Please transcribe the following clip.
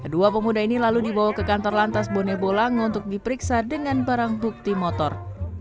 dua pemuda ini lalu dibawa ke kantor lantas bone bolango untuk diperiksa dengan barang bukti motor